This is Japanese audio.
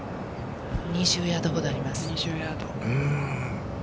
２０ヤードほどあります。